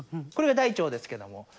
これが大腸ですけども。